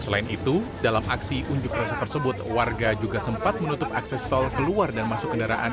selain itu dalam aksi unjuk rasa tersebut warga juga sempat menutup akses tol keluar dan masuk kendaraan